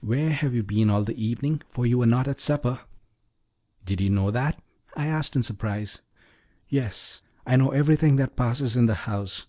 "Where have you been all the evening, for you were not at supper?" "Did you know that?" I asked in surprise. "Yes, I know everything that passes in the house.